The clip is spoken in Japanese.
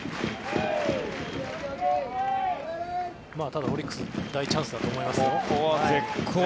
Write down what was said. ただ、オリックス大チャンスだと思いますよ。